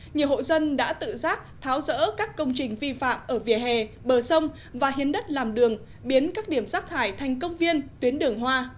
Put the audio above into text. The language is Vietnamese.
nhiều hộ dân đã tự giác tháo rỡ các công trình vi phạm ở vỉa hè bờ sông và hiến đất làm đường biến các điểm rác thải thành công viên tuyến đường hoa